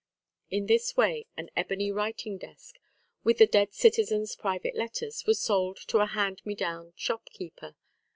In this way an ebony writing desk, with the dead citizen's private letters, was sold to a hand me down shop keeper.